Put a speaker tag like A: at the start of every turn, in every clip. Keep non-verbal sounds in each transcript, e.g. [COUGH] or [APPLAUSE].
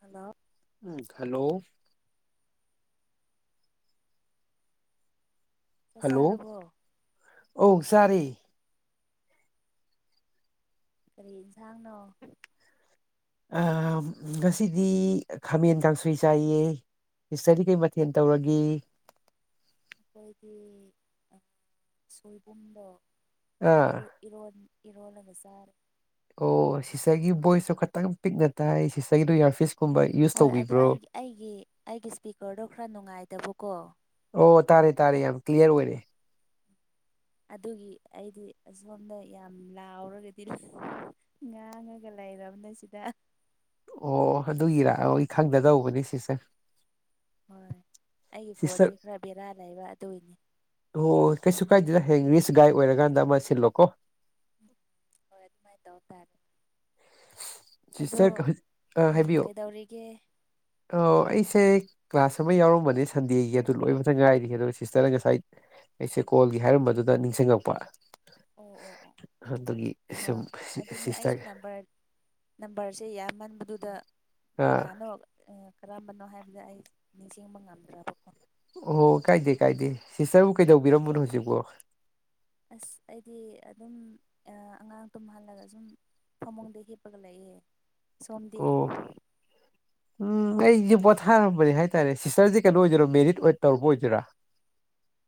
A: hello
B: hello
A: ꯆꯁꯥꯔꯕꯣ
B: ꯁꯔꯔꯤ
A: ꯀꯔꯤ ꯌꯦꯟꯁꯥꯡꯅꯣ
B: ꯉꯁꯤꯗꯤ ꯈꯥꯃꯦꯟ ꯀꯥꯡꯁꯣꯏ ꯆꯥꯏꯌꯦ ꯏꯁꯇꯔꯤ ꯀꯩ ꯃꯊꯦꯜ ꯇꯧꯔꯒꯦ
A: ꯑꯩꯈꯣꯏꯒꯤ ꯁꯣꯏꯕꯨꯝꯗꯣ ꯑꯣ
B: ꯑꯥ
A: ꯏꯔꯣꯟ ꯏꯔꯂ ꯑꯗꯨꯖꯔ
B: ꯑꯣ ꯁꯤꯁꯔꯒꯤ ꯚꯣꯏꯁꯁꯨꯣ ꯈꯇꯪ ꯄꯤꯛꯅ ꯇꯥꯏ ꯁꯤꯁꯔꯒꯤꯗꯨꯣ ꯏꯌꯥꯔꯐꯤꯁ
A: ꯍꯣꯏ ꯑꯗꯣ ꯑꯩ ꯑꯩꯒꯤ ꯑꯩꯒꯤ ꯏꯁꯄꯤꯀꯔꯗꯣ ꯈꯔ ꯅꯨꯡꯉꯥꯏꯇꯕꯀꯣ
B: ꯑꯣ ꯇꯥꯔꯦ ꯇꯥꯔꯦ ꯌꯥꯝ ꯀ꯭ꯂꯤꯌꯥꯔ ꯑꯣꯏꯔꯦ
A: ꯑꯗꯨꯒꯤ ꯑꯩꯗꯤ ꯑꯁꯣꯝꯗ ꯌꯥꯝ ꯂꯥꯎꯔꯒꯗꯤ ꯉꯥꯡꯉꯒ ꯂꯩ ꯝ ꯅ ꯁꯤꯗ
B: ꯑꯣ ꯑꯗꯨꯒꯤꯔꯥ ꯑꯩ ꯑꯩ ꯈꯪꯗꯗꯧꯕꯅꯤ ꯁꯤꯁꯦ
A: ꯍꯣꯏ ꯑꯩꯒꯤ ꯐꯣꯟꯁꯦ ꯈꯔ ꯕꯦꯔꯥ ꯂꯩꯕ ꯑꯗꯨꯏꯅꯤ
B: ꯍꯦꯡꯂꯤꯁ ꯒꯥꯏ ꯑꯣꯏꯔꯀꯥꯟꯗ ꯑꯃ ꯁꯤꯜꯂꯣꯀꯣ
A: ꯍ ꯑꯦꯗꯃꯥꯏ ꯇꯧꯇꯥꯔꯦ
B: ꯁꯤꯁꯇꯔ ꯑ ꯍꯥꯏꯕꯤꯌꯣ
A: ꯀꯩꯗꯧꯔꯤꯒꯦ
B: ꯑ ꯑꯩꯁꯦ ꯀ꯭ꯂꯥꯁ ꯑꯃ ꯌꯥꯎꯔꯝꯕꯅꯦ ꯁꯟꯗꯦꯒꯤ ꯑꯗꯨ ꯂꯣꯏ ꯃꯊꯪ ꯉꯥꯏꯔꯤ ꯑꯗꯨꯒ ꯁꯤꯁꯇꯔꯅ ꯉꯁꯥꯏ ꯑꯩꯁꯦ ꯀꯣꯜꯒꯤ ꯍꯥꯏꯔꯝꯕꯗꯨꯅ ꯅꯤꯡꯁꯤꯡꯉꯛꯄ
A: ꯑꯣ ꯑꯣ ꯑꯣ
B: ꯍꯗꯒꯤ
A: ꯍꯣꯏ
B: ꯁ
A: ꯍꯣꯏ ꯑꯗꯨꯅꯦ
B: ꯁꯤꯁ
A: ꯑꯩꯁꯨ
B: ꯊꯒꯦ
A: ꯅꯝꯕꯔ ꯅꯝꯕꯔꯁꯦ ꯌꯥꯝꯃꯟꯕꯗꯨꯗ
B: ꯑꯥ
A: ꯀꯅꯥꯅꯣ ꯀꯔꯝꯕꯅꯣ ꯍꯥꯏꯕꯗ ꯑꯩ ꯅꯤꯡꯁꯤꯡꯕ ꯉꯝꯗ꯭ꯔꯕ ꯀꯣ
B: ꯑꯣ ꯀꯥꯏꯗꯦ ꯀꯥꯏꯗꯦ ꯁꯤꯁꯇꯔꯕꯨ ꯀꯩꯗꯧꯕꯤꯔꯝꯕꯅꯣ ꯍꯧꯖꯤꯛꯐꯣ
A: ꯑꯁ ꯑꯩꯗꯤ ꯑꯗꯨꯝ ꯑꯉꯥꯡ ꯇꯨꯝꯍꯜꯂꯒ ꯁꯨꯝ ꯐꯃꯨꯡꯗ ꯍꯤꯞꯄꯒ ꯂꯥꯛꯑꯦ ꯁꯣꯝꯗꯤ
B: ꯑꯣ ꯎꯝ ꯑꯩꯁꯦ ꯄꯣꯊꯥꯔꯝꯕꯅꯦ ꯍꯥꯏꯇꯥꯔꯦ ꯁꯤꯁꯇꯔꯁꯦ ꯀꯩꯅꯣ ꯑꯣꯏꯗꯣꯏꯔꯥ ꯃꯦꯔꯤꯠ ꯇꯧꯔꯨꯄ ꯑꯣꯏꯗꯣꯏꯔꯥ [UNINTELLIGIBLE]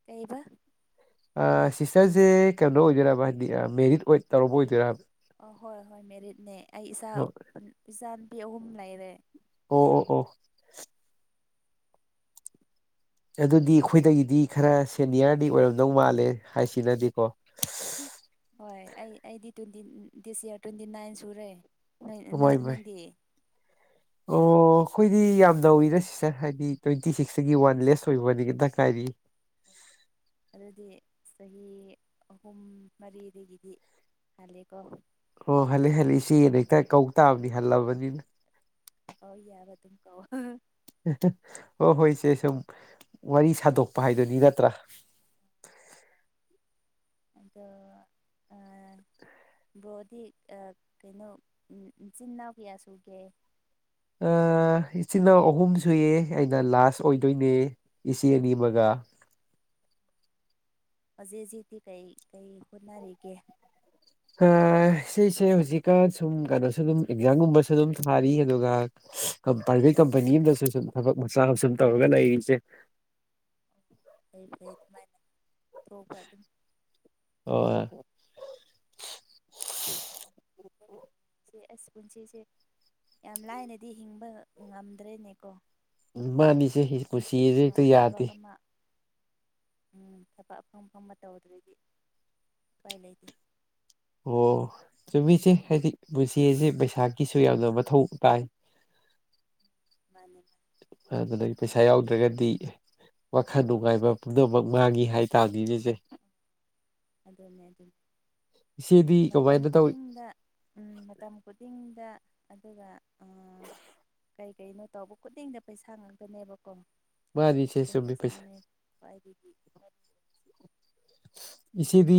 A: ꯀꯩꯕ
B: ꯁꯤꯁꯇꯔꯁꯦ ꯀꯩꯅꯣ ꯑꯣꯏꯗꯣꯏꯕꯥ ꯍꯥꯏꯗꯤ ꯃꯦꯔꯤꯠ ꯑꯣꯏ ꯇꯧꯔꯝꯕ ꯑꯣꯏꯗꯣꯏꯕ
A: ꯑ ꯍꯣꯏ ꯍꯣꯏ ꯃꯦꯔꯤꯠꯅꯦ ꯑꯩ ꯏꯆꯥ
B: ꯑꯣ
A: ꯏꯆꯥ ꯅꯨꯄꯤ ꯑꯍꯨꯝ ꯂꯩꯔꯦ
B: ꯑꯣ ꯑꯣ ꯑꯣ ꯑꯗꯨꯗꯤ ꯑꯩꯈꯣꯏꯗꯒꯤꯗꯤ ꯈꯔ ꯁꯦꯅꯤꯌꯔꯗꯤ ꯑꯣꯏꯔꯝꯗꯧ ꯃꯥꯜꯂꯦ ꯍꯥꯏꯁꯤꯅꯗꯤꯀꯣ
A: ꯍꯣꯏ ꯑꯩ ꯑꯩꯗꯤ twenty this year twenty nine ꯁꯨꯔꯦ ꯅꯣꯏ
B: ꯏ ꯥꯏ
A: ꯅꯪꯗꯤ
B: ꯑꯣ ꯑꯩꯈꯣꯏꯗꯤ ꯌꯥꯝ ꯅꯧꯔꯤꯅ ꯁꯤꯁꯇꯔ ꯍꯥꯏꯗꯤ ꯇ꯭ꯋꯦꯟꯇꯤ ꯁꯤꯛꯁꯇꯒꯤ ꯋꯥꯟ ꯂꯦꯁ ꯑꯣꯏꯕꯅꯤꯇ ꯀꯥꯏꯔꯤ [INAUDIBLE]
A: ꯑꯗꯨꯗꯤ ꯆꯍꯤ ꯑꯍꯨꯝ ꯃꯔꯤꯗꯒꯤꯗꯤ ꯍꯥꯜꯂꯦꯀꯣ
B: ꯑꯣ ꯍꯜꯂꯤ ꯍꯜꯂꯤ ꯁꯤꯅ ꯍꯦꯛꯇ ꯀꯧ ꯇꯥꯕꯅꯤ ꯍꯜꯂꯕꯅꯤꯅ
A: ꯍ ꯌꯥꯔ ꯑꯗꯨꯀ
B: ꯍꯣꯏ ꯍꯣꯏ ꯏꯆꯦ ꯁꯨꯝ ꯋꯥꯔꯤ ꯁꯥꯗꯣꯛꯄ ꯍꯥꯏꯗꯨꯅꯤ ꯅꯠꯇ꯭ꯔꯥ [INAUDIBLE]
A: ꯑꯗꯣ ꯑ ꯕ꯭ꯔꯣꯗꯤ ꯀꯩꯅꯣ ꯏꯆꯤꯟ ꯏꯅꯥꯎ ꯀꯌꯥ ꯁꯨꯒꯦ
B: ꯏꯆꯤꯜ ꯏꯅꯥꯎ ꯑꯍꯨꯝ ꯁꯨꯏꯌꯦ ꯑꯩꯅ ꯂꯥꯁ ꯑꯣꯏꯗꯣꯏꯅꯦ ꯏꯆꯦ ꯑꯅꯤ ꯑꯃꯒ [UNINTELLIGIBLE]
A: ꯍꯧꯖꯤꯖꯤꯗꯤꯤ ꯀꯩ ꯀꯩ ꯍꯣꯠꯅꯔꯤꯒꯦ
B: ꯁꯤꯁꯦ ꯍꯧꯖꯤꯛꯀ ꯁꯨꯝ ꯀꯩꯅꯣꯁꯨ ꯑꯗꯨꯝ ꯑꯦꯛꯖꯥꯝꯒꯨꯝꯕꯁꯨ ꯑꯗꯨꯝ ꯊꯥꯔꯤ ꯑꯗꯨꯒ ꯄ꯭ꯔꯥꯏꯚꯦꯠ ꯀꯝꯄꯅꯤ ꯑꯗꯁꯨ ꯁꯨꯝ ꯊꯕꯛ ꯃꯆꯥ ꯑꯃ ꯁꯨꯝ ꯇꯧꯔꯒ ꯂꯩꯔꯤꯁꯦ
A: ꯑꯩ ꯐꯩ ꯑꯗꯨꯃꯥꯏꯅ ꯇꯧꯕꯄ ꯑꯗꯨꯝ
B: ꯑꯣ
A: ꯆꯦ ꯑꯁꯤꯁ ꯄꯨꯟꯁꯤꯁꯦ ꯌꯥꯝ ꯂꯥꯏꯅꯦꯗꯤ ꯍꯤꯡꯕ ꯉꯝꯗ꯭ꯔꯦꯅꯦꯀꯣ
B: ꯎ ꯃꯥꯅꯤꯁꯦ ꯄꯨꯟꯁꯤꯁꯦ
A: ꯑꯃ
B: ꯍꯦꯛꯇ
A: ꯊꯕꯛ
B: ꯌꯥꯗꯦ
A: ꯑꯃ ꯎꯝ ꯊꯕꯛ ꯑꯝ ꯑ ꯐꯕ ꯇꯧꯗ꯭ꯔꯗꯤ ꯎꯄꯥꯏ ꯂꯩꯇꯦ
B: ꯑꯣ ꯆꯨꯝꯃꯤꯁꯦ ꯍꯥꯏꯗꯤ ꯄꯨꯟꯁꯤꯁꯦ ꯄꯩꯁꯥꯀꯤꯁꯨ ꯌꯥꯝꯅ ꯃꯊꯧ ꯇꯥꯏ [INAUDIBLE]
A: ꯃꯥꯅꯤ ꯃꯥ
B: ꯑꯗꯨꯗꯒꯤ ꯄꯩꯁꯥ ꯌꯥꯎꯗ꯭ꯔꯒꯗꯤ ꯋꯥꯈꯜ ꯅꯨꯡꯉꯥꯏꯕ ꯄꯨꯝꯅꯃꯛ ꯃꯥꯡꯉꯤ ꯍꯥꯏꯇꯥꯥꯔꯗꯤ ꯂꯩꯖꯩ
A: ꯑꯗꯨꯗꯅꯦꯦ ꯑꯗꯨ
B: ꯏꯆꯦꯗꯤ
A: ꯃꯇꯝ
B: ꯀꯃꯥꯏꯅ ꯇꯧꯏ
A: ꯈꯨꯗꯤꯡꯗ ꯎꯝ ꯃꯇꯝ ꯈꯨꯗꯤꯡꯗ ꯑꯗꯨꯒ
B: [INAUDIBLE]
A: ꯀꯩ ꯀꯩꯅꯣ ꯇꯧꯕ ꯈꯨꯗꯤꯡꯗ ꯄꯩꯁꯥ ꯉꯥꯛꯇꯅꯦꯕ ꯀꯣ
B: ꯃꯥꯅꯤ ꯏꯆꯦ
A: ꯑꯗꯨ
B: ꯆꯨꯝꯃꯤ ꯄꯩꯁꯥ
A: ꯄꯩꯁꯥꯅꯦ ꯈ꯭ꯋꯥꯏꯗꯒꯤꯗꯤ
B: ꯏꯆꯦꯗꯤ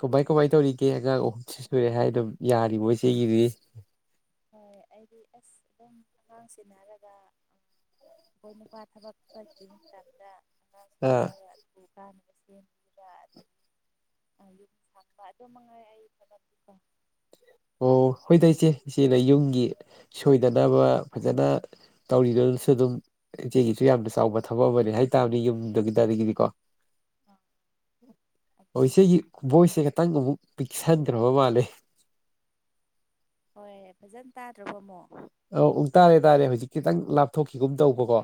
B: ꯀꯃꯥꯏ ꯀꯃꯥꯏ ꯇꯧꯔꯤꯒꯦ ꯑꯉꯥꯡ ꯑꯍꯨꯝꯁꯨ ꯁꯨꯔꯦ ꯍꯥꯏ ꯑꯗꯨꯝ ꯌꯥꯔꯤꯕꯣ ꯏꯆꯦꯒꯤꯗꯤ
A: ꯍꯣꯏ ꯑꯩꯗꯤ ꯑꯁ ꯑꯗꯨꯝ ꯑꯉꯥꯡ ꯁꯤꯟꯅꯔꯒ ꯑ ꯑꯩꯈꯣꯏꯅꯄꯥꯥ ꯊꯕꯈꯤ ꯆꯗ
B: ꯑꯥ
A: ꯀ ꯁꯦꯝ ꯑꯗꯨ ꯁꯥꯄ ꯑꯗꯨ ꯃꯉꯥꯏꯕ
B: ꯑꯣ ꯍꯣꯏꯗ ꯏꯆꯦ ꯏꯆꯦꯅ ꯌꯨꯝꯒꯤ ꯁꯣꯏꯗꯅꯕ ꯐꯖꯅ ꯇꯧꯔꯤꯗꯨ ꯜꯨ ꯑꯗꯨꯝ ꯏꯆꯦꯒꯤꯁꯨ ꯌꯥꯝꯅ ꯆꯥꯎꯕ ꯊꯕꯛ ꯑꯃꯅꯦ ꯍꯥꯏꯇꯥꯥꯔꯅꯤ ꯌꯨꯝꯗꯨꯒꯤꯗ ꯑꯗꯒꯤꯗꯤꯀꯣ ꯍꯧꯁꯦ ꯚꯣꯏꯁꯁꯦ ꯈꯇꯪ ꯑꯃꯨꯛ ꯄꯤꯛꯁꯟꯗ꯭ꯔꯕ ꯃꯥꯜꯂꯦ
A: ꯍꯣꯏ ꯐꯖꯅ ꯇꯥꯗ꯭ꯔꯕ ꯑꯃꯣ
B: ꯑ ꯎ ꯇꯥꯔꯦ ꯇꯥꯔꯦ ꯍꯧꯖꯤꯛ ꯈꯤꯇꯪ ꯂꯥꯞꯊꯣꯛꯈꯤꯒꯨꯝ ꯇꯧꯕꯀꯣ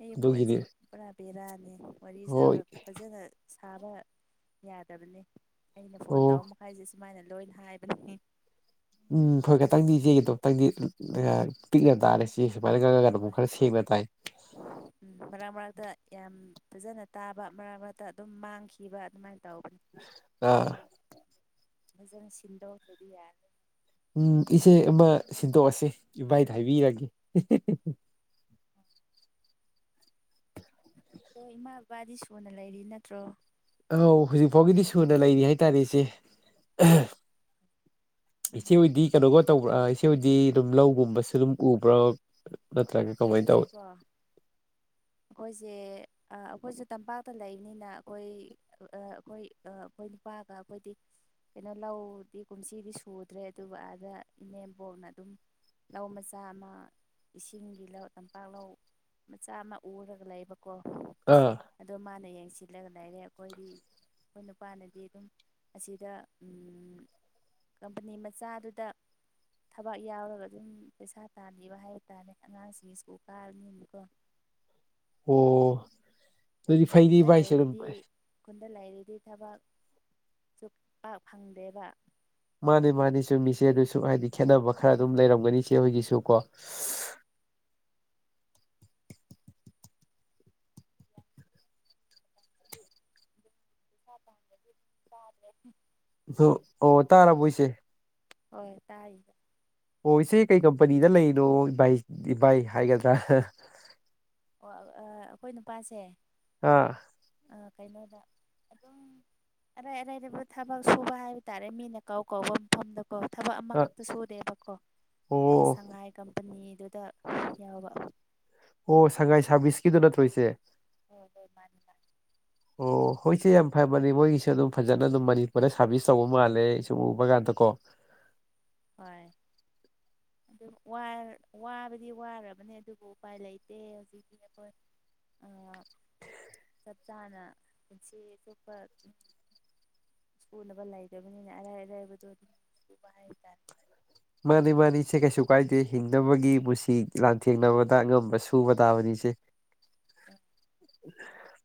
A: ꯑꯩ
B: ꯑꯗꯨꯒꯤꯅꯤ
A: ꯄꯣꯣꯟꯁꯤ ꯄꯨꯔꯥ ꯕꯦꯔꯥꯅꯤ ꯋꯥꯔꯤ
B: ꯍꯣꯏ
A: ꯁꯥꯕ ꯐꯖꯅ ꯁꯥꯕ ꯌꯥꯗꯕꯅꯤ ꯑꯩꯅ ꯐꯣꯟ
B: ꯑꯣ
A: ꯇꯧꯔ ꯃꯈꯥꯏꯁꯦ ꯁꯨꯃꯥꯏꯅ ꯂꯣꯏ ꯍꯥꯏꯕꯅꯤ
B: ꯎꯝ ꯍꯣꯏ ꯈꯈꯤꯇꯪꯗꯤ ꯏꯆꯦꯒꯗꯣꯝꯇꯪꯗꯤ ꯄꯤꯛꯅ ꯇꯥꯔꯦ ꯁꯤꯦ ꯃꯥ ꯒꯔꯗ
A: ꯍꯣꯏ
B: ꯈꯦ ꯁꯦꯡꯕ ꯇꯥꯏ
A: ꯎꯝ ꯃꯔꯛ ꯃꯔꯛꯇ ꯌꯥꯝ ꯐꯖꯅ ꯇꯥꯕ ꯃꯔꯛ ꯃꯔꯛꯇ ꯑꯗꯨꯝ ꯃꯥꯡꯈꯤꯕ ꯑꯗꯨꯃꯥꯏꯅ ꯇꯧꯕꯅꯤ
B: ꯑꯥ
A: ꯖꯅ ꯁꯤꯟꯗꯣ ꯆꯗꯤ ꯌꯥ
B: ꯎꯝ ꯏꯆꯦ ꯑꯃ ꯁꯤꯟꯗꯣꯛꯑꯁꯤ ꯏꯚꯥꯏꯗ ꯍꯥꯏꯕꯤꯔꯒꯦ
A: ꯑꯗꯣ ꯏꯃꯥ ꯕꯕꯥꯗꯤ ꯁꯨꯅ ꯂꯩꯔꯤ ꯅꯠꯇ꯭ꯔꯣ
B: ꯑ ꯍꯧꯖꯤꯛ ꯐꯥꯎꯒꯤꯗꯤ ꯁꯨꯅ ꯂꯩꯔꯤ ꯍꯥꯏꯇꯥꯔꯦ ꯏꯆꯦ ꯏꯆꯦ ꯍꯗꯤ ꯀꯩꯅꯣꯒ ꯇꯧꯕ꯭ꯔꯥ ꯏꯆꯦ ꯍꯗꯤ ꯑꯗꯨꯝ ꯂꯧꯒꯨꯝꯕꯁꯨ ꯑꯗꯨꯝ ꯎꯕ꯭ꯔꯥ
A: ꯑꯩꯈꯣꯏꯁꯦꯀꯣ ꯑꯩꯈꯣꯏꯁꯦ ꯑꯩꯈꯣꯏꯁꯨꯦ ꯇꯝꯄꯥꯛꯇ ꯂꯩꯕꯅꯤꯅ ꯑꯩꯈꯣꯏ ꯑꯩꯈꯣꯏ ꯑꯩꯈꯣꯏ ꯅꯨꯄꯥꯒ ꯑꯩꯈꯣꯏꯗꯤ ꯀꯩꯅꯣ ꯂꯧꯗꯤ ꯀꯨꯝꯁꯤꯗꯤ ꯁꯨꯗ꯭ꯔꯦ ꯑꯗꯨꯒ ꯑꯥꯗ ꯏꯅꯦꯝꯕꯣꯛꯅ ꯑꯗꯨꯝ ꯂꯧ ꯃꯆꯥ ꯑꯃ ꯏꯁꯤꯡꯒꯤ ꯇꯤꯜꯍꯧ ꯇꯝꯄꯥꯛꯂꯧ ꯃꯆꯥ ꯑꯃ ꯎꯔꯒ ꯂꯩꯕꯀꯣ
B: ꯑꯥ
A: ꯑꯗꯣ ꯃꯥꯅ ꯌꯦꯡꯁꯤ ꯁꯤꯜꯂꯒ ꯂꯩꯔꯦ ꯑꯩꯈꯣꯏꯗꯤ ꯑꯩꯈꯣꯏ ꯅꯨꯄꯥꯅꯗꯤ ꯑꯗꯨꯝ ꯑꯁꯤꯗ ꯀꯝꯄꯅꯤ ꯃꯆꯥꯗꯨꯗ ꯊꯕꯛ ꯌꯥꯎꯔꯒ ꯑꯗꯨꯝ ꯄꯩꯁꯥ ꯇꯥꯕꯤꯕ ꯍꯥꯏꯕ ꯇꯥꯔꯦ ꯑꯉꯥꯡꯁꯤꯡ ꯃꯤꯀ ꯀꯥꯔꯃꯤꯀ
B: ꯑꯣ ꯑꯗꯨꯗꯤ ꯐꯥꯏꯗꯤ ꯄꯥꯏꯁ ꯑꯗꯨ
A: ꯑꯗ ꯂꯩꯔꯤꯗꯤ ꯊꯕꯛ ꯁꯨ ꯄ ꯐꯪꯗꯦꯕ
B: ꯃꯥꯅꯤ ꯃꯥꯅꯤ ꯆꯨꯝꯃꯤꯁꯦ
A: ꯎꯝ
B: ꯑꯗꯨꯁꯨ ꯍꯥꯏꯗꯤ ꯈꯦꯠꯅꯕ ꯈꯔ
A: ꯑꯗꯨ
B: ꯑꯗꯨꯝ ꯂꯩꯔꯝꯒꯅꯤꯁꯦ ꯑꯩꯈꯣꯏꯒꯤꯁꯨ ꯆꯀꯣ
A: [INAUDIBLE]
B: ꯑꯣ ꯇꯥꯔꯕꯣꯏꯁꯦ
A: ꯍꯣꯏ ꯇꯥꯏꯦ
B: ꯑꯣ ꯏꯆꯦ ꯀꯩ ꯀꯝꯄꯅꯤꯗ ꯂꯩꯔꯤꯅꯣ ꯏꯚ ꯏꯚꯥꯏ ꯍꯥꯏꯒꯗ꯭ꯔꯥ
A: ꯑꯣ ꯑꯩꯈꯣꯏ ꯅꯨꯄꯥꯁꯦ
B: ꯑꯥ
A: ꯀꯩꯅꯣꯗ ꯑꯗꯨꯝ ꯑꯔꯥꯏ ꯑꯔꯥꯏꯕꯨ ꯊꯕꯛ ꯁꯨꯕ ꯍꯥꯏꯕ ꯇꯥꯔꯦ ꯃꯤꯅ ꯀꯥꯎ ꯀꯧꯕ ꯃꯐꯝꯗ ꯀꯣ ꯊꯕꯛ
B: ꯑꯥ
A: ꯑꯃꯈꯛꯇ ꯁꯨꯗꯦꯕꯀꯣ
B: ꯑꯣ
A: ꯁꯉꯥꯏꯒꯝ ꯑꯅꯤꯗꯨꯗ ꯌꯥꯎꯕ
B: ꯑꯣ ꯁꯉꯥꯏ ꯁꯥꯔꯚꯤꯁꯁꯀꯤꯗꯨ ꯅꯠꯇꯣꯏꯁꯦ
A: ꯍꯗꯣꯏ ꯃꯥ
B: ꯑꯣ ꯍꯣꯏꯁꯦ ꯌꯥꯝ ꯐ ꯃꯥꯅꯤ ꯃꯣꯏꯒꯤꯁꯨ ꯑꯗꯨꯝ ꯐꯖꯅ ꯑꯗꯨꯝ ꯃꯅꯤꯄꯨꯔ ꯁꯥꯔꯚꯤꯁ ꯇꯧꯕ ꯃꯥꯜꯂꯦ ꯁꯨꯝ ꯎꯕ ꯀꯥꯟꯗ ꯀꯣ
A: ꯍꯣꯏ
B: [INAUDIBLE]
A: ꯑꯗꯨ ꯋꯥꯕꯗꯤ ꯋꯥꯔꯕꯅꯦ ꯑꯗꯨꯕꯨ ꯎꯄꯥꯏ ꯂꯩꯇꯦ ꯍꯧꯖꯤꯛꯇꯤ ꯑꯩꯈꯣꯏ ꯆꯞ ꯆꯥꯅ ꯄꯨꯟꯁꯤ ꯑꯆꯨꯞꯄ ꯁ꯭ꯀꯨꯜꯕ ꯂꯩꯗꯕꯅꯤꯅꯦ ꯑꯔꯥꯏ ꯑꯔꯥꯏꯕꯗꯣ ꯑꯗꯨꯝ ꯁꯨꯕ ꯍꯥꯏꯇꯥꯔꯦ
B: ꯃꯥꯅꯤ ꯃꯥꯅꯤꯁꯦ ꯀꯩꯁꯨ ꯀꯥꯏꯗꯦ ꯍꯤꯡꯅꯕꯒꯤ ꯄꯨꯟꯁꯤ ꯂꯥꯟꯊꯦꯡꯅꯕꯗ ꯑꯉꯝꯕ ꯁꯨꯕ ꯇꯥꯕꯅꯤꯅ ꯁꯦ
A: ꯑ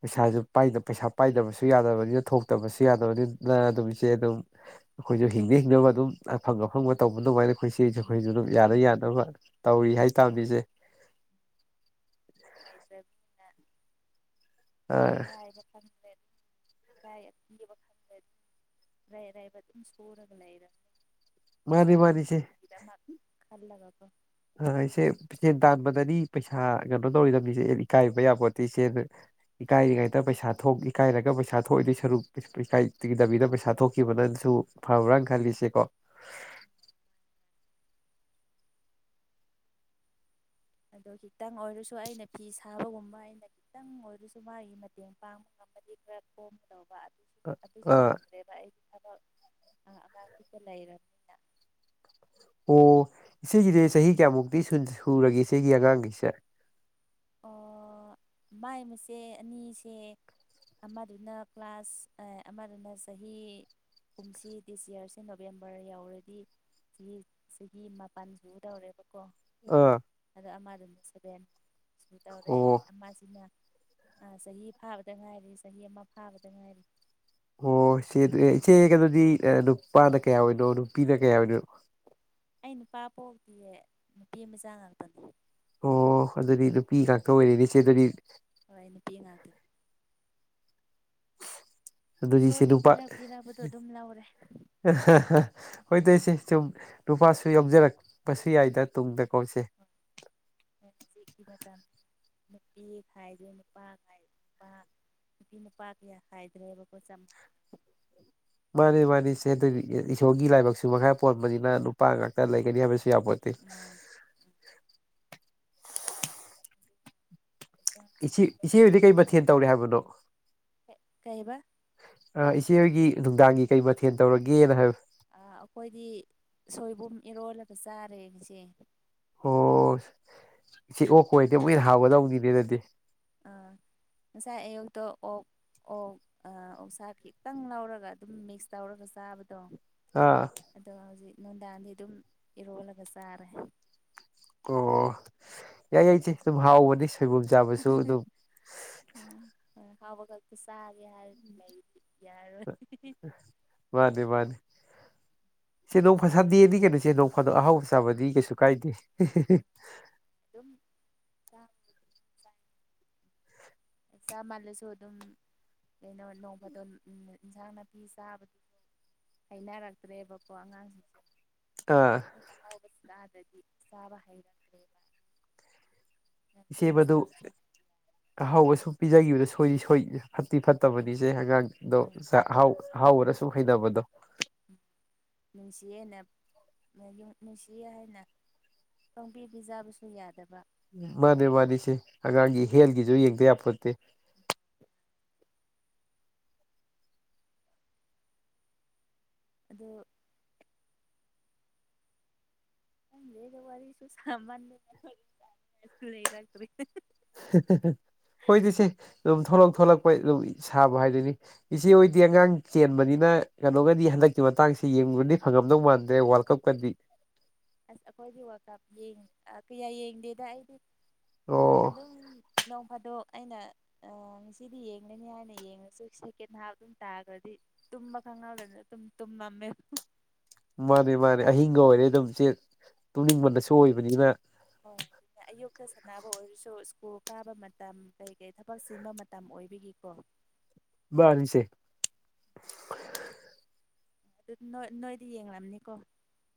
B: ꯎ ꯄꯩꯁꯥꯁꯨ ꯄꯩꯁꯥ ꯄꯥꯏꯗꯕꯁꯨ ꯌꯥꯗꯕꯅꯤꯅ ꯊꯣꯛꯇꯕꯁꯨ ꯌꯥꯗꯕꯅꯤꯅ ꯑꯗꯨꯝ ꯏꯆꯦ ꯑꯗꯨꯝ ꯑꯩꯈꯣꯏꯁꯨ ꯍꯤꯡꯅ ꯍꯤꯡꯗꯒ ꯑꯗꯨꯝ ꯑꯪ ꯑꯐꯪꯕ ꯇꯧꯕ ꯑꯗꯨꯃꯥꯏꯅ ꯑꯩꯈꯣꯏꯁꯤꯁꯨ
A: ꯎꯝ
B: ꯑꯩꯈꯣꯏꯁꯨ ꯑꯗꯨꯝ ꯌꯥꯅ
A: ꯑꯗꯨꯅꯦ ꯑꯗꯨꯅꯦ
B: ꯌꯥꯅꯕ ꯇꯧꯔꯤ ꯍꯥꯏꯇꯥꯥꯔꯅꯤꯁꯦ
A: ꯕ
B: ꯑ
A: ꯕ ꯔꯥꯏꯕ ꯃꯇꯝꯝ ꯁꯣꯔꯒ ꯂꯩꯔꯦ
B: ꯃꯥꯅꯤ
A: ꯃꯆꯥ
B: ꯃꯥꯅꯤ ꯏꯆꯦ
A: ꯃꯁꯨꯨꯒꯤꯗ ꯑꯃ ꯈꯜꯂꯕꯀꯣ
B: ꯏꯆꯦ ꯁꯦꯟ ꯇꯥꯟꯕꯗꯅꯤ ꯄꯩꯁꯥ ꯀꯩꯅꯣ ꯇꯧꯔꯤꯗꯕꯅꯤꯁꯦ ꯏꯀꯥꯏꯕ ꯌꯥꯕꯣꯠꯇꯦ ꯏꯆꯦ ꯏꯀꯥꯏꯔꯤꯉꯩꯗ ꯄꯩꯁꯥ ꯊꯣꯛ ꯏꯀꯥꯏꯔꯒ ꯄꯩꯁꯥ ꯊꯣꯛꯏꯗꯤ ꯁꯔꯨꯛ ꯏꯀꯥꯏꯒꯤ ꯗꯕꯤꯗ ꯄꯩꯁꯥ ꯊꯣꯛꯈꯤꯕꯅ ꯁ ꯐꯕ꯭ꯔꯥ ꯈꯜꯂꯤꯁꯦ ꯀꯣ
A: ꯑꯗꯣ ꯈꯤꯇꯪ ꯑꯣꯏꯔꯁꯨ ꯑꯩꯅ ꯐꯤ ꯁꯥꯕꯒꯨꯝꯕ ꯑꯩꯅ ꯈꯤꯇꯪ ꯑꯣꯏꯔꯁꯨ ꯃꯥꯒꯤ ꯃꯇꯦꯡ ꯄꯥꯡꯕ ꯉꯝ ꯈꯔ ꯀꯣꯝꯗꯧꯕ ꯑꯗꯨꯁꯨ
B: ꯑꯥ
A: ꯉꯝꯗ꯭ꯔꯦꯕ ꯑꯩ ꯑꯣ ꯑꯒꯤꯀ ꯂꯩꯔꯃꯤ
B: ꯑꯣ ꯏꯆꯦꯒꯤꯗꯤ ꯆꯍꯤ ꯀꯌꯥꯃꯨꯛꯇꯤ ꯁꯨꯔꯒꯦ ꯏꯆꯦꯒꯤ ꯑꯉꯥꯡꯈꯩꯁꯦ
A: ꯑꯣ ꯃꯥꯏ ꯃꯁꯦ ꯑꯅꯤꯁꯦ ꯑꯃꯗꯨꯅ ꯀ꯭ꯂꯥꯁ ꯑꯃꯗꯨꯅ ꯆꯍꯤ ꯀꯨꯝꯁꯤ ꯗꯤꯁ ꯌꯔꯁꯤ ꯅꯣꯕꯦꯝꯕꯔ ꯌꯥꯎꯔꯗꯤ ꯁꯤ ꯁꯤꯒꯤ ꯃꯄꯜꯁꯤ ꯇꯧꯔꯦꯕ ꯀꯣ
B: ꯑꯥ
A: ꯑꯗꯣ ꯑꯃꯗꯨꯗ ꯁꯚꯦꯟ ꯁ ꯇꯧꯔꯦ
B: ꯑꯣ
A: ꯃꯥꯁꯤꯅ ꯆꯍꯤ ꯐꯥꯕꯗ ꯉꯥꯏꯔꯤ ꯆꯍꯤ ꯑꯃ ꯐꯥꯕꯗ ꯉꯥꯏꯔꯤ
B: ꯑꯣ ꯏꯆꯦ ꯏꯆꯦ ꯀ ꯑꯗꯨꯗꯤ ꯅꯨꯄꯥꯅ ꯀꯌꯥ ꯑꯣꯏꯅꯣ ꯅꯨꯄꯤꯅ ꯀꯌꯥ ꯑꯣꯏꯅꯣ
A: ꯑꯩ ꯅꯨꯄꯥ ꯄꯣꯛꯇꯤꯌꯦ ꯅꯨꯄꯤ ꯃꯆꯥ ꯉꯥꯛꯇꯅꯦ
B: ꯑꯣ ꯑꯗꯨꯗꯤ ꯅꯨꯄꯤ ꯉꯥꯛꯇ ꯑꯣꯏꯔꯤꯅꯤꯁꯦ ꯑꯗꯨꯗꯤ
A: ꯑꯩ ꯅꯨꯄꯤ ꯉꯥꯛꯇꯅꯤ
B: ꯑꯗꯨꯗꯤ ꯏꯆꯦ
A: ꯏꯁꯣꯔꯅ
B: ꯅꯨꯄꯥ
A: ꯄꯤꯔ ꯄꯤꯕꯗꯣ ꯑꯗꯨꯝ ꯂꯧꯔꯦ
B: ꯍꯣꯏ ꯇꯣꯏꯁꯦ ꯁꯨꯝ ꯅꯨꯄꯥꯁꯨ ꯌꯥꯎꯖꯔꯛꯄꯁꯨ ꯌꯥꯏꯗ ꯇꯨꯡꯗ ꯀꯧꯁꯦ [INAUDIBLE]
A: ꯍꯧꯖꯤꯛꯀꯤ ꯃꯇꯝ ꯅꯨꯄꯤ ꯈꯥꯏꯗꯨ ꯅꯨꯄꯥ ꯈꯥꯏ ꯅꯨꯄꯥ ꯅꯨꯄꯤ ꯅꯨꯄꯥ ꯀꯌꯥ ꯍꯥꯏꯗ꯭ꯔꯦꯕꯀꯣ ꯆꯝ
B: ꯃꯥꯅꯤ ꯃꯥꯅꯤ ꯁꯦꯟ ꯏꯁꯣꯔꯒꯤ ꯂꯥꯏꯕꯛꯁꯨ ꯃꯈꯥꯏ ꯄꯣꯟꯕꯅꯤꯅ ꯅꯨꯄꯥ ꯉꯥꯛꯇ ꯂꯩꯒꯅꯤ ꯍꯥꯏꯕꯁꯨ ꯌꯥꯄꯠꯇ
A: ꯃꯥꯟꯅꯩ
B: ꯏꯆꯦ ꯏꯆꯦꯗꯨꯗꯤ ꯀꯩ ꯃꯊꯦꯜ ꯇꯧꯔꯦ ꯍꯥꯏꯕꯅꯣ
A: ꯀꯩꯕ
B: ꯑ ꯏꯆꯦꯍꯣꯏꯒꯤ ꯅꯨꯡꯗꯥꯡꯒꯤ ꯀꯩ ꯃꯊꯦꯜ ꯇꯧꯔꯒꯦꯅ ꯍꯥꯏꯕ
A: ꯑꯩꯈꯣꯏꯗꯤ ꯁꯣꯏꯕꯨꯝ ꯏꯔꯣꯜꯂꯒ ꯆꯥꯔꯦꯁꯦ
B: ꯑꯣ ꯁꯤ ꯑꯣ ꯀꯣꯏꯗꯤꯦ ꯃꯨꯏꯅ ꯍꯥꯎꯒꯗꯧꯒꯤꯅꯦꯅꯗꯤ
A: ꯑꯥ ꯉꯁꯥꯏ ꯑꯌꯨꯛꯇ ꯑꯣ ꯑꯣ ꯑ ꯑꯣ ꯁꯥꯥ ꯈꯤꯇꯪ ꯂꯧꯔꯒ ꯑꯗꯨꯝ ꯃꯤꯛꯁ ꯇꯧꯔꯒ ꯆꯥꯕꯗꯣ
B: ꯑꯥ
A: ꯑꯗꯣ ꯍꯧꯖꯤꯛ ꯅꯨꯡꯗꯥꯗꯤ ꯑꯗꯨꯝ ꯏꯔꯣꯜꯂꯒ ꯆꯥꯔꯦ
B: ꯑꯣ ꯌꯥꯏ ꯌꯥꯏꯁꯦ ꯑꯗꯨꯝ ꯍꯥꯎꯕꯅꯤ ꯐꯩꯕꯣꯛ ꯆꯥꯕꯁꯨ ꯑꯗꯨꯝ
A: ꯊꯥꯎꯕꯒꯔ ꯀ ꯁꯔꯦ ꯍꯥꯏ
B: ꯃꯥꯅꯦ ꯃꯥꯅꯤ ꯆꯦ ꯅꯣꯡꯐꯥ ꯁꯟꯗꯦꯗꯤ ꯀꯩꯅꯣ ꯆꯦ ꯅꯣꯡ ꯐꯥꯗ ꯑꯍꯥꯎꯕ ꯆꯥꯕꯗꯤ ꯀꯩꯁꯨ ꯀꯥꯏꯗꯦ
A: ꯑꯗꯨꯝ ꯆ ꯆ ꯑꯦꯁꯥ ꯃꯜꯂꯁꯨꯣ ꯑꯗꯨꯝ ꯀꯩꯅꯣ ꯅꯣꯡꯃꯗꯣ ꯏꯟꯁꯥꯡ ꯅꯥꯄꯤ ꯆꯥꯕꯗꯨ ꯍꯩꯅꯔꯛꯇ꯭ꯔꯦꯕꯀꯣ ꯑꯉꯥꯡꯁꯤꯡꯁꯦ
B: ꯑꯥ
A: ꯑꯗꯨꯒ ꯑꯍꯥꯎꯕꯁꯤꯇꯥꯥꯗꯗꯤ ꯆꯥꯕ ꯍꯩꯔꯛꯇ꯭ꯔꯦꯕ ꯇꯣꯏꯅ
B: ꯏꯆꯦꯕꯗꯨ
A: ꯆꯥꯕꯁꯨ
B: ꯑꯍꯕꯁꯨ ꯄꯤꯖꯈꯤꯕꯗꯣ ꯁꯣꯏꯗꯤ ꯁꯣꯏ ꯐꯠꯇꯤ
A: ꯑꯗꯨꯅ
B: ꯐꯠꯇꯕꯅꯤꯁꯦ ꯑꯉꯥꯡꯗꯣ
A: ꯍꯣꯏ
B: ꯑꯍꯥꯎ ꯑꯍꯥꯎꯕꯔꯁꯨ ꯍꯩꯅꯕꯗꯣ
A: ꯅꯨꯡꯁꯤꯌꯦꯦꯅ ꯅꯨꯡꯁꯤꯌꯦꯦ ꯍꯥꯏꯅ ꯄꯣꯝꯕꯤꯕꯤꯖꯥꯕꯁꯨ ꯌꯥꯗꯕ
B: ꯃꯥꯅꯦ ꯃꯥꯅꯤ ꯁꯤ ꯑꯉꯥꯡꯒꯤ ꯍꯦꯜꯒꯤꯁꯨ ꯌꯦꯡꯗ ꯌꯥꯄꯠꯇꯦ
A: ꯑꯗꯣ ꯦꯒ ꯋꯥꯔꯤꯁꯨ ꯁꯃ ꯂꯩ
B: ꯍ ꯍꯣꯏꯗꯤ ꯏꯆꯦ ꯑꯗꯨꯝ ꯊꯂꯛ ꯊꯣꯂꯛꯄ ꯑꯗꯨꯝ ꯁꯥꯕ ꯍꯥꯏꯗꯣꯏꯅꯤ ꯏꯆꯦ ꯑꯣꯏꯗꯤꯦ ꯑꯉꯥꯡ ꯆꯦꯟꯕꯅꯤꯅ ꯀꯩꯅꯣꯒꯗꯤ ꯍꯟꯗꯛꯀꯤ ꯃꯇꯥꯡꯁꯤ ꯌꯦꯡꯕꯗꯤ ꯐꯪꯉꯝꯗꯧ ꯃꯥꯟꯗ꯭ꯔꯦ ꯋꯥꯔꯜ ꯀꯞꯀꯗꯤ
A: ꯑꯁ ꯑꯩꯈꯣꯏꯒꯤ ꯋꯥꯀꯥꯞ ꯀꯌꯥ ꯌꯦꯡꯗꯦꯗ ꯑꯩꯗꯤ
B: ꯑꯣ
A: ꯑꯗꯨꯝ ꯅꯣꯡꯃꯗ ꯑꯩꯅ ꯉꯁꯤꯗꯤ ꯌꯦꯡꯒꯅꯤ ꯍꯥꯏꯅ ꯌꯦꯡꯉꯁꯨ ꯁꯦꯀꯦꯟ ꯍꯥꯐ ꯑꯗꯨꯝ ꯇꯥꯈ꯭ꯔꯗꯤ ꯇꯨꯝꯕ ꯃꯉ ꯂꯩ ꯇ ꯃꯃꯦ
B: ꯃꯥꯅꯦ ꯃꯥꯅꯦ ꯑꯍꯤꯡꯒ ꯑꯣꯏꯔꯦ ꯑꯗꯨꯝ ꯏ ꯆꯦ ꯇꯨꯡꯅꯤꯡꯕꯗꯁꯨ ꯑꯣꯏꯕꯅꯤꯅ
A: ꯍꯣꯏ ꯑꯗꯨꯗꯤ ꯑꯌꯨꯛꯇ ꯁꯥꯟꯅꯕ ꯑꯣꯏꯔꯁꯨ ꯁ꯭ꯀꯨꯜ ꯀꯥꯕ ꯃꯇꯝ ꯀꯩ ꯀꯩ ꯊꯕꯛ ꯁꯤꯟꯕ ꯃꯇꯝ ꯑꯣꯏ ꯑꯣꯏꯕꯤꯒꯀꯣ
B: ꯅꯤꯁꯦ
A: ꯑꯗꯨ ꯅꯣꯏꯗꯤ ꯌꯦꯡꯂꯕꯅꯤꯀꯣ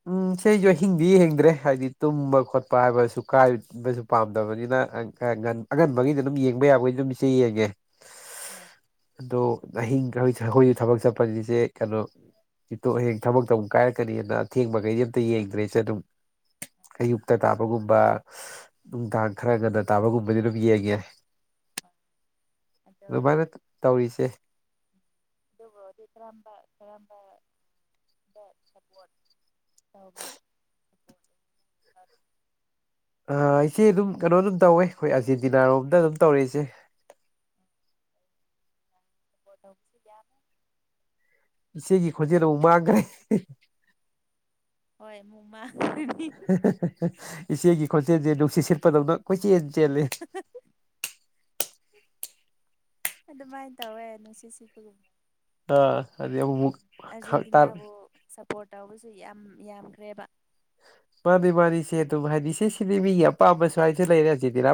B: ꯎꯝ ꯁꯤꯁꯨ ꯑꯍꯤꯡꯗꯤ ꯍꯡꯗ꯭ꯔꯦ ꯍꯥꯏꯕꯗꯤ ꯇꯨꯝꯕ ꯈꯣꯠꯄ ꯍꯥꯏꯕꯁꯨ ꯀꯥꯏꯕꯁꯨ ꯄꯥꯝꯗꯕꯅꯤꯅ ꯑꯉꯟꯕꯒꯤꯗꯤ ꯑꯗꯨꯝ ꯌꯦꯡꯕ ꯌꯥꯕꯒꯤ ꯑꯗꯨꯝ ꯏꯆꯦ ꯌꯦꯡꯉꯦ
A: ꯑ
B: ꯑꯗꯣ ꯑꯍꯤꯡ ꯑꯩꯈꯣꯏꯁꯨ ꯊꯕꯛ ꯆꯠꯄꯅꯤꯁꯦ ꯀꯩꯅꯣ ꯁꯤꯤꯇꯣꯛ ꯍꯌꯦꯡ ꯊꯕꯛꯇ ꯑꯃꯨꯛ ꯀꯥꯏꯔꯛꯀꯅꯤꯅ ꯑꯊꯦꯡꯕꯈꯩꯗꯤ ꯑꯝꯇ ꯌꯦꯡꯗ꯭ꯔꯦꯁꯦ ꯑꯗꯨꯝ ꯑꯌꯨꯛꯇ ꯇꯥꯕꯒꯨꯝꯕ ꯅꯨꯡꯗꯥꯡ ꯈꯔ ꯉꯟꯅ ꯇꯥꯕꯒꯨꯝꯕꯗꯤ ꯑꯗꯨꯝ ꯌꯦꯡꯉꯦ [INAUDIBLE]
A: ꯍꯣꯏ ꯑꯗꯣ
B: ꯑꯗꯨꯃꯥꯏꯅ ꯇꯧꯔꯤꯁꯦ
A: ꯑꯗꯨꯕꯨꯗꯤ ꯀꯔꯝꯕ ꯀꯔꯝꯕ
B: [UNINTELLIGIBLE]
A: ꯇꯧꯕ
B: ꯏꯆꯦ ꯑꯗꯨꯝ ꯀꯩꯅꯣ ꯑꯗꯨꯝ ꯇꯧꯋꯦ ꯑꯩꯈꯣꯏ ꯑꯥꯔꯖꯦꯟꯇꯤꯅꯥꯔꯣꯝꯗ ꯑꯗꯨꯝ ꯇꯧꯔꯦ ꯏꯆꯦ
A: ꯣꯗꯁꯤ ꯌꯥ
B: ꯏꯆꯦꯒꯤ ꯈꯣꯟꯖꯦꯜꯧ ꯃꯥꯡꯈꯥꯏ
A: ꯍꯣꯏ ꯃꯣꯃ
B: ꯏꯆꯦꯒꯤ ꯈꯣꯟꯆꯦꯜꯁꯦ ꯅꯨꯡꯁꯤꯠ ꯁꯤꯠꯄꯗꯧꯅ ꯀꯣꯏꯆꯦꯜ [INAUDIBLE]
A: ꯑꯗꯨꯃꯥꯏꯅ ꯇꯧꯋꯦ ꯅꯨꯡ ꯁꯤ ꯁꯤꯕꯒꯨꯝꯕ
B: ꯑ ꯑꯗꯨꯗꯤ ꯇꯔ
A: ꯑꯗꯨ ꯌꯥꯝ ꯌꯥꯝꯈ꯭ꯔꯦꯕ
B: ꯃꯥꯅꯤ ꯃꯥꯅꯤꯁꯦ ꯑꯗꯨꯝ ꯍꯥꯏꯗꯤ ꯁꯤ ꯁꯤꯅꯤ ꯃꯤꯒꯤ ꯑꯄꯥꯝꯕ ꯁ꯭ꯋꯥꯏꯁꯦ ꯂꯩꯔꯦ ꯍꯧꯖꯤꯗꯤꯔ